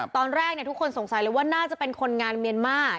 ตอนแรกทุกคนสงสัยเลยว่าน่าจะเป็นคนงานเมียนมาร์